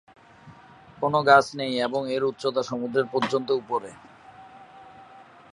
কোনো গাছ নেই এবং এর উচ্চতা সমুদ্রের পর্যন্ত উপরে।